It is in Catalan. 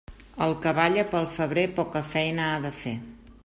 El que balla pel febrer poca feina ha de fer.